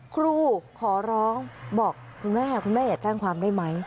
ครูขอร้องบอกคุณแม่คุณแม่อยากแจ้งความได้ไหม